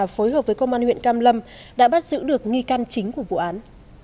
phối hợp với công an huyện cam lâm đã bắt giữ được nghi can chính của vụ án